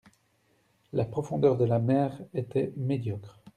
La profondeur de la mer était médiocre.